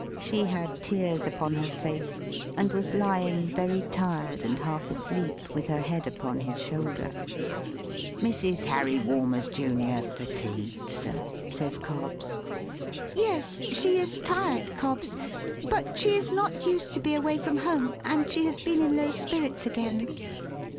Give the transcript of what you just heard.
She had tears upon her face, and was lying, very tired and half asleep, with her head upon his shoulder. "Mrs. Harry Walmers, Junior, fatigued, sir?" says Cobbs. "Yes, she is tired, Cobbs; but she is not used to be away from home, and she has been in low spirits again.